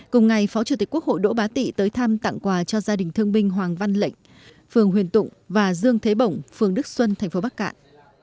cùng ngày phó chủ tịch quốc hội đỗ bá tị tới thăm tặng quà cho gia đình thương binh hoàng văn lệnh phường huyền tụng và dương thế bổng phường đức xuân tp bắc cạn